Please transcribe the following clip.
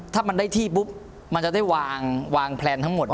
ถ้ามันได้ที่ปุ๊บมันจะได้วางแพลนทั้งหมด